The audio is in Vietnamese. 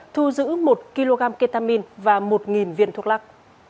thu giữ một kg ketamin và một viên thuốc lắc